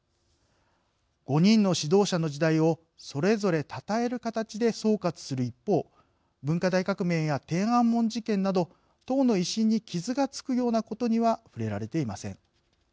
５人の指導者の時代をそれぞれ、たたえる形で総括する一方文化大革命や天安門事件など党の威信に傷がつくようなことには触れられていません。